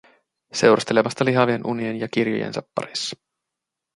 Seurustelemasta lihavien unien ja kirjojensa parissa.